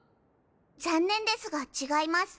残念ですが違います。